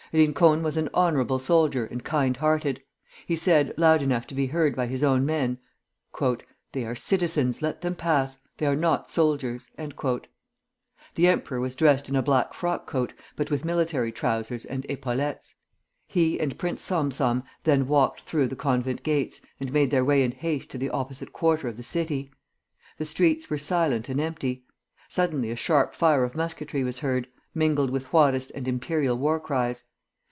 Rincon was an honorable soldier and kind hearted. He said, loud enough to be heard by his own men: "They are citizens; let them pass: they are not soldiers." The emperor was dressed in a black frock coat, but with military trousers and epaulettes. He and Prince Salm Salm then walked through the convent gates and made their way in haste to the opposite quarter of the city. The streets were silent and empty. Suddenly a sharp fire of musketry was heard, mingled with Juarist and Imperial war cries.